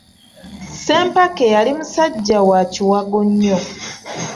Ssempake yali musajja wa kiwago nnyo.